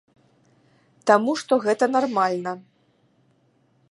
Таму што гэта нармальна.